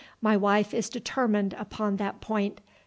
My wife is determined upon that point.